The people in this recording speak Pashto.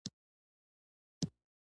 دا د پښتون او هزاره په نوم ختلې خاوره